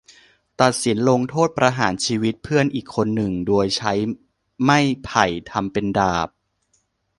ตัดสินลงโทษประหารชีวิตเพื่อนอีกคนหนึ่งโดยใช้ไม่ไผ่ทำเป็นดาบ